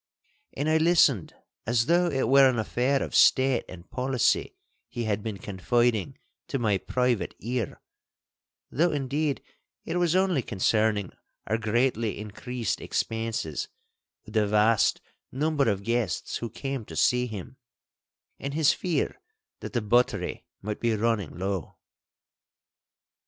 And I listened as though it were an affair of State and policy he had been confiding to my private ear, though indeed it was only concerning our greatly increased expenses with the vast number of guests who came to see him, and his fear that the buttery might be running low.